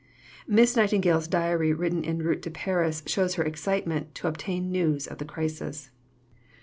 Miss Nightingale's diary written en route to Paris shows her excitement to obtain news of the crisis.